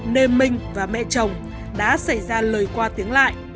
nên minh và mẹ chồng đã xảy ra lời qua tiếng lại